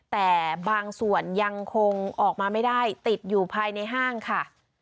แต่บางส่วนยังคงออกมาไม่ได้ติดอยู่ภายในห้างค่ะ